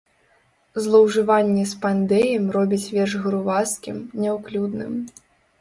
Злоўжыванне спандэем робіць верш грувасткім, няўклюдным.